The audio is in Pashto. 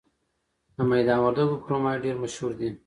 د میدان وردګو کرومایټ ډیر مشهور دی.